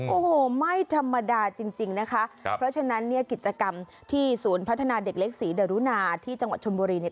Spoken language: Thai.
โอ้โหไม่ธรรมดาจริงจริงนะคะครับเพราะฉะนั้นเนี่ยกิจกรรมที่ศูนย์พัฒนาเด็กเล็กศรีดารุณาที่จังหวัดชนบุรีเนี่ย